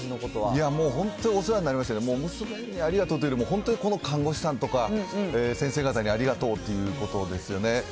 いや、もう本当、お世話になりまして、もう娘にありがとうというよりも、本当にこの看護師さんとか、先生方にありがとうっていうことですよね。